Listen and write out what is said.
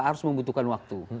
harus membutuhkan waktu